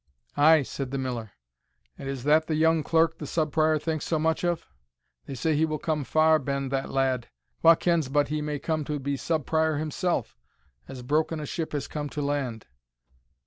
"Ay," said the Miller; "and is that the young clerk the Sub Prior thinks so much of? they say he will come far ben that lad; wha kens but he may come to be Sub Prior himself? as broken a ship has come to land."